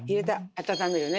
温めるね。